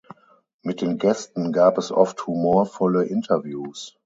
Mit den Gästen gab es oft humorvolle Interviews.